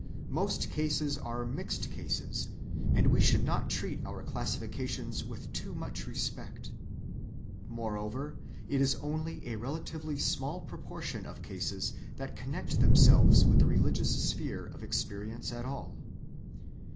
Most cases are mixed cases, and we should not treat our classifications with too much respect. Moreover, it is only a relatively small proportion of cases that connect themselves with the religious sphere of experience at all.